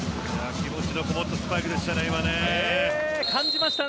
気持ちのこもったスパイクでしたね。